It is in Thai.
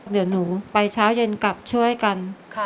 เดี๋ยวหนูไปเช้าเย็นกลับช่วยกัน